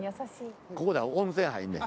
ここで温泉入んねん。